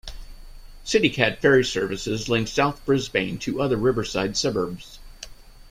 CityCat ferry services link South Brisbane to other riverside suburbs.